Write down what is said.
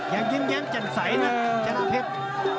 อย่างยิ้มแย้มจันทรัยนะชนะเพชร